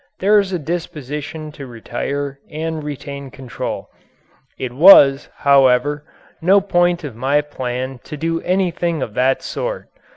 There is a disposition to retire and retain control. It was, however, no part of my plan to do anything of that sort.